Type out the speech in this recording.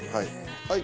はい。